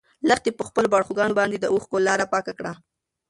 لښتې په خپلو باړخوګانو باندې د اوښکو لاره پاکه کړه.